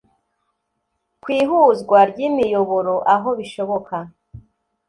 Kw ihuzwa ry imiyoboro aho bishoboka